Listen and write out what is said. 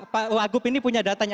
pak wagub ini punya datanya